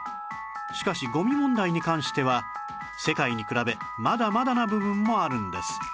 しかしゴミ問題に関しては世界に比べまだまだな部分もあるんです